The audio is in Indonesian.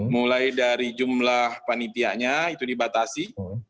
mulai dari jumlah panitianya itu dibatasi